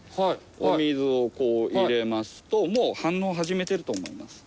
お水をこう入れますともう反応始めてると思います。